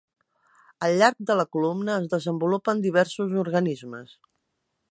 Al llarg de la columna es desenvolupen diversos organismes.